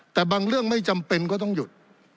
แต่บางเรื่องไม่จำเป็นก็ต้องหยุด